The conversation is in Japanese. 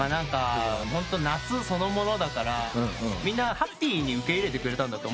ホント夏そのものだからみんなハッピーに受け入れてくれたんだと思う。